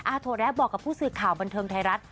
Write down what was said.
โถแระบอกกับผู้สื่อข่าวบันเทิงไทยรัฐ